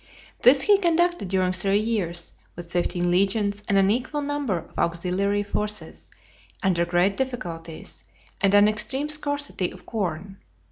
This he conducted during three years, with fifteen legions and an equal number of auxiliary forces, under great difficulties, and an extreme scarcity of corn.